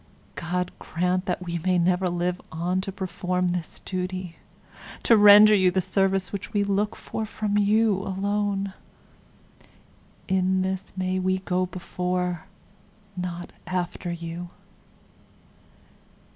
God grant we may never live on to perform this duty, to render you the service which we look for from you alone; in this may we go before, not after you!